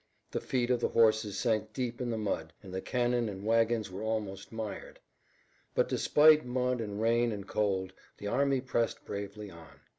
The feet of the horses sank deep in the mud and the cannon and wagons were almost mired. But despite mud and rain and cold, the army pressed bravely on.